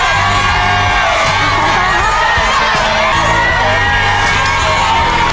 อีก๒ละครับ